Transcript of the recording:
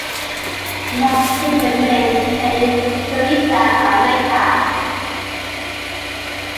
He has children named Kenny, Syreeta, and Micah.